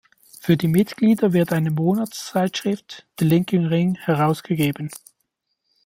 Für die Mitglieder wird eine Monatszeitschrift "The Linking Ring" herausgegeben.